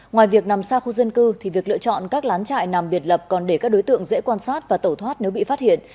ngoài việc nằm xa khu dân cư thì việc lựa chọn các lán trại nằm biệt lập còn để các đối tượng dễ quan sát và tẩu thoát nếu bị phát hiện